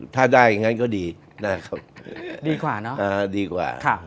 ถ้าได้อย่างนั้นก็ดีนะครับดีกว่า